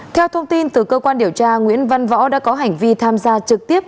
theo thông tin từ cơ quan điều tra nguyễn văn võ đã có hành vi tham gia trực tiếp